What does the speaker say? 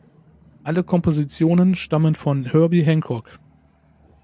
Alle Kompositionen stammen von Herbie Hancock.